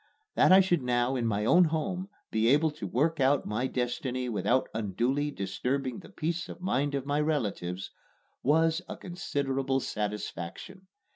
That I should now in my own home be able to work out my destiny without unduly disturbing the peace of mind of relatives was a considerable satisfaction.